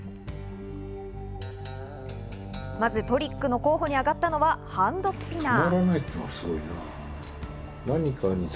まずトリックの候補にあがったのはハンドスピナー。